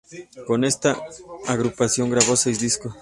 Con esta agrupación grabó seis discos.